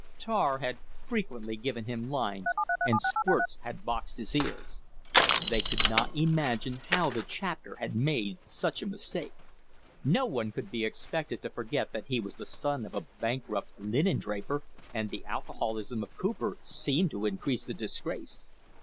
Tar had frequently given him lines, and Squirts had boxed his ears. They could not imagine how the Chapter had made such a mistake. No one could be expected to forget that he was the son of a bankrupt linendraper, and the alcoholism of Cooper seemed to increase the disgrace.